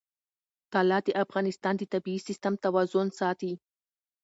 طلا د افغانستان د طبعي سیسټم توازن ساتي.